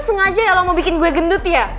sengaja ya lo mau bikin kue gendut ya